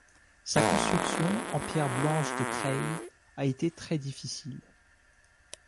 Sa construction en pierre blanche de Creil a été très difficile.